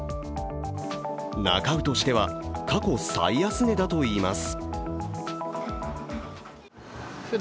なか卯としては過去最安値だといいます。